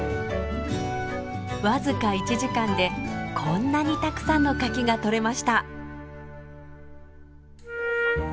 僅か１時間でこんなにたくさんの柿が採れました。